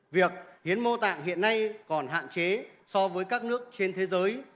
việc hiến mô tạng hiện nay còn hạn chế so với các nước trên thế giới